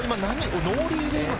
ノーリーでの？